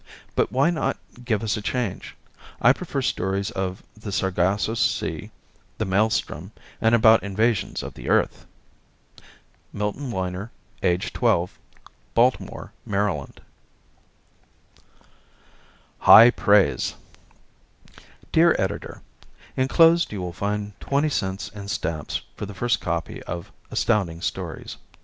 But why not give us a change? I prefer stories of the Sargasso Sea, the Maelstrom, and about invasions of the Earth. Milton Weiner, age 12, 2430 Baker St., Baltimore Maryland. High Praise Dear Editor: Enclosed you will find twenty cents in stamps for the first copy of Astounding Stories.